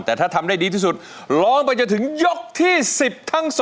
แต่ถ้าทำได้ดีที่สุดร้องไปจนถึงยกที่๑๐ทั้ง๒